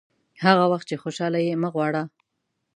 هغه وخت چې خوشاله یې مه غواړه.